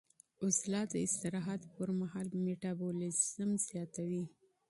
عضلات د استراحت پر مهال میټابولیزم زیاتوي.